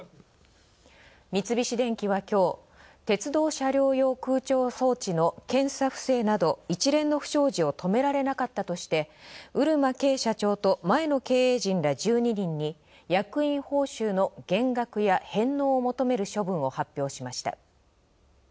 三菱電機は今日、鉄道車両用空調装置の検査不正など一連の不祥事を止められなかったとして、漆間啓社長と前の経営陣ら１２人に役員報酬の減額や返納を求める処分を発表しました。